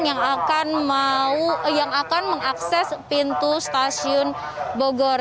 yang akan mengakses pintu stasiun bogor